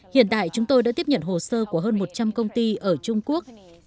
hiện tại chúng tôi đã tiếp nhận hồ sơ của hơn một trăm linh công ty ở trung quốc